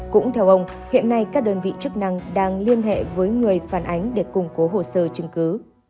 cũng theo ông hiện nay các đơn vị chức năng đang liên hệ với người phản ánh để củng cố hồ sơ chứng cứ